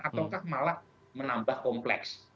ataukah malah menambah kompleks